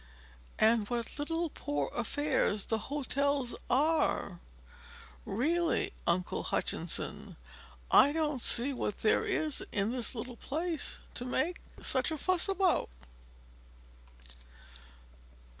And what little poor affairs the hotels are! Really, Uncle Hutchinson, I don't see what there is in this little place to make such a fuss about."